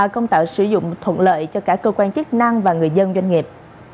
công tạo sử dụng thuận lợi cho cả cơ quan chức năng và người dân doanh nghiệp